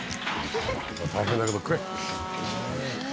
大変だけど食え！